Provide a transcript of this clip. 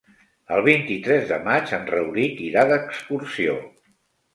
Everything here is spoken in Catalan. El vint-i-tres de maig en Rauric irà d'excursió.